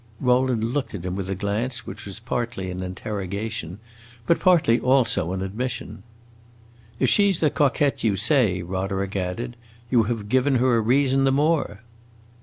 Rowland looked at him with a glance which was partly an interrogation, but partly, also, an admission. "If she 's the coquette you say," Roderick added, "you have given her a reason the more."